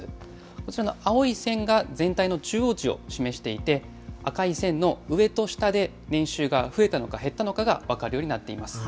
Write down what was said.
こちらの青い線が、全体の中央値を示していて、赤い線の上と下で年収が増えたのか、減ったのかが分かるようになっています。